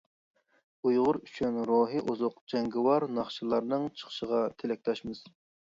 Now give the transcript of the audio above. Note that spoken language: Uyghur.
ئۇيغۇر ئۈچۈن روھىي ئوزۇق جەڭگىۋار ناخشىلارنىڭ چىقىشىغا تىلەكداشمىز!